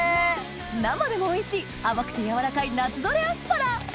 生でもおいしい甘くて柔らかい夏採れアスパラ